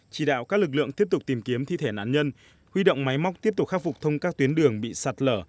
chỉ đạo các lực lượng tiếp tục tìm kiếm thi thể nạn nhân huy động máy móc tiếp tục khắc phục thông các tuyến đường bị sạt lở